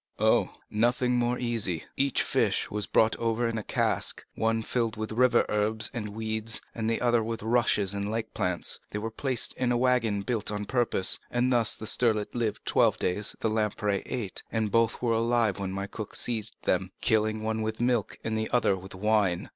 "Oh, nothing more easy. Each fish was brought over in a cask—one filled with river herbs and weeds, the other with rushes and lake plants; they were placed in a wagon built on purpose, and thus the sterlet lived twelve days, the lamprey eight, and both were alive when my cook seized them, killing one with milk and the other with wine.